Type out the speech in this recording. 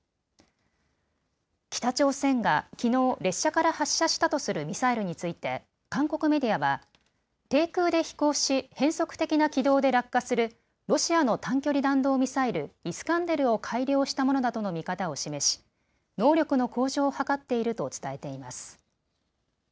北朝鮮がきのう列車から発射したとするミサイルについて韓国メディアは低空で飛行し、変則的な軌道で落下するロシアの短距離弾道ミサイル、イスカンデルを改良したものだとの見方を示し能力の向上を図っていると伝えています。